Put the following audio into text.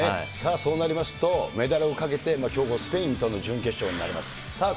そうなりますと、メダルをかけて、強豪スペインとの準決勝になります。